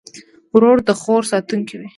ورور د خور ساتونکی وي.